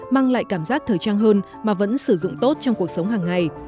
mang lại cảm giác thời trang hơn mà vẫn sử dụng tốt trong cuộc sống hàng ngày